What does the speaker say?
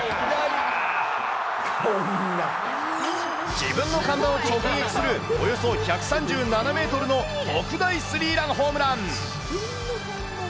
自分の看板を直撃するおよそ１３７メートルの特大スリーランホームラン。